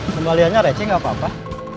kembaliannya reci gak apa apa